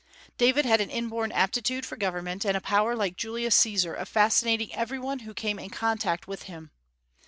David had an inborn aptitude for government, and a power like Julius Caesar of fascinating every one who came in contact with him.